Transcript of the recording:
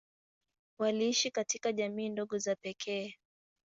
Waliishi katika jamii ndogo za pekee.